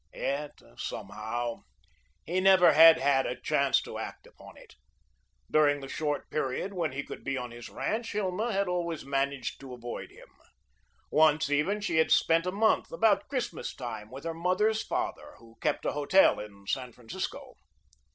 Yet, somehow, he never had had a chance to act upon it. During the short period when he could be on his ranch Hilma had always managed to avoid him. Once, even, she had spent a month, about Christmas time, with her mother's father, who kept a hotel in San Francisco.